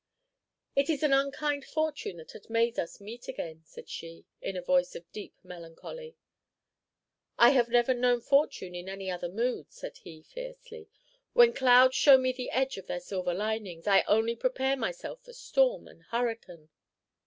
"It is an unkind fortune that has made us meet again," said she, in a voice of deep melancholy. "I have never known fortune in any other mood," said he, fiercely. "When clouds show me the edge of their silver linings, I only prepare myself for storm and hurricane."